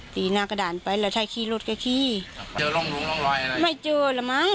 ตีหน้ากระดานไปแล้วถ้าขี่รถก็ขี่เจอร่องลงร่องรอยอะไรไม่เจอแล้วมั้ง